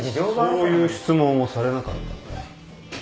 そういう質問をされなかったので。